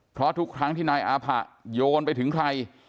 เพราะทุกครั้งที่นายอาผะโยนไปถึงใคร